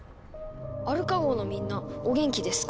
「アルカ号のみんなお元気ですか？